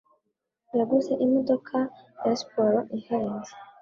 yaguze imodoka ya siporo ihenze.